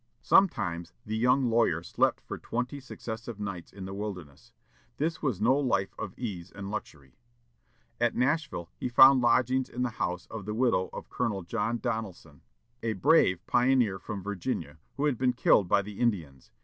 Sometimes the young lawyer slept for twenty successive nights in the wilderness. This was no life of ease and luxury. At Nashville he found lodgings in the house of the widow of Colonel John Donelson, a brave pioneer from Virginia, who had been killed by the Indians.